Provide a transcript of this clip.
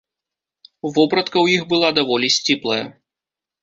Вопратка ў іх была даволі сціплая.